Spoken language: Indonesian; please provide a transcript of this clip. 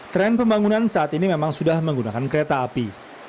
tren pembangunan saat ini memang sudah menggunakan kereta api